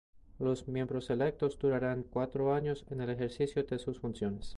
Los miembros electos durarán cuatro años en el ejercicio de sus funciones.